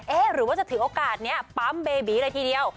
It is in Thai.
หรือว่าจะถือโอกาสนี้ปั๊มเบบีเลยทีเดียว